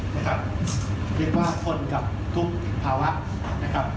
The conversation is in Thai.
นะครับเรียกว่าคนกับทุกข์ภาวะนะครับ